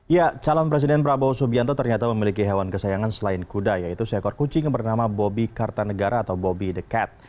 ya calon presiden prabowo subianto ternyata memiliki hewan kesayangan selain kuda yaitu seekor kucing bernama bobby kartanegara atau bobby the cat